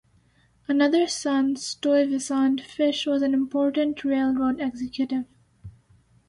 Another son Stuyvesant Fish was an important railroad executive.